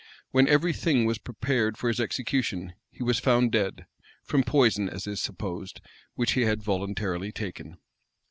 When every thing was prepared for his execution, he was found dead; from poison, as is supposed, which he had voluntarily taken.